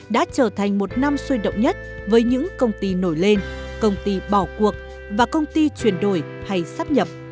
đã trở thành một năm sôi động nhất với những công ty nổi lên công ty bỏ cuộc và công ty chuyển đổi hay sắp nhập